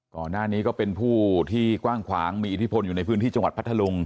ก็เป็นผู้ที่กว้างขวางมีอิทธิพลอยู่ในพื้นที่จังหวัดพัทธลุง